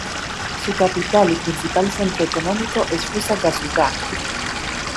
Su capital y principal centro económico es Fusagasugá.